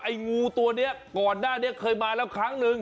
งูตัวนี้ก่อนหน้านี้เคยมาแล้วครั้งนึง